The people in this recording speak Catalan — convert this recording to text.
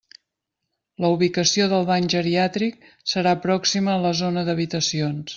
La ubicació del bany geriàtric serà pròxima a la zona d'habitacions.